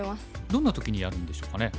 どんな時にやるんでしょうかね。